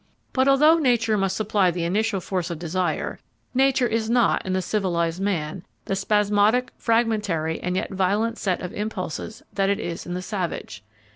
But although nature must supply the initial force of desire, nature is not, in the civilised man, the spasmodic, fragmentary, and yet violent set of impulses that it is in the savage.